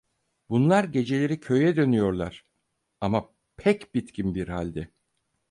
Bunlar geceleri köye dönüyorlar; ama pek bitkin bir halde.